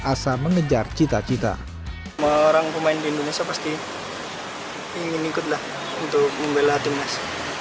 asa mengejar cita cita orang pemain di indonesia pasti ingin ikutlah untuk membela timnas